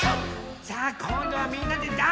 さあこんどはみんなでダンスですよ。